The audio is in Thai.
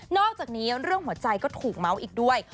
อกจากนี้เรื่องหัวใจก็ถูกเมาส์อีกด้วย